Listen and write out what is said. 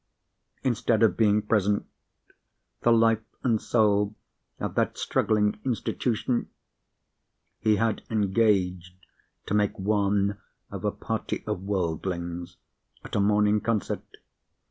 Instead of being present, the life and soul of that struggling Institution, he had engaged to make one of a party of worldlings at a morning concert!